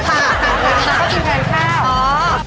พี่ก็กินแผนข้าว